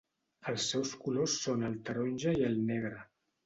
Els seus colors són el taronja i el negre.